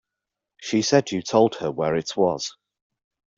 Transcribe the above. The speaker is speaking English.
She said you told her where it was.